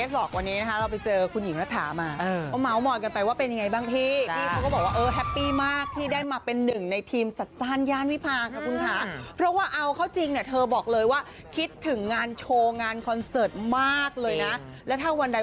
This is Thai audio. เซอร์ไพร่ภาหวานใจหนุ่มตุ๋นเนี่ยเอามาเซอร์ไพร่กลางรายการเนี่ยทำไงดี